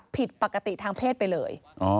ผิดปกติทางเพศไปเลย